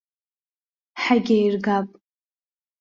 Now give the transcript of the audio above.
Ҳагьаиргап.